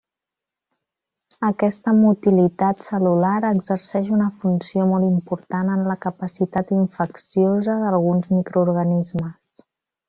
Aquesta motilitat cel·lular exerceix una funció molt important en la capacitat infecciosa d'alguns microorganismes.